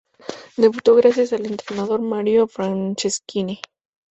Debutó gracias al entrenador Mario Franceschini.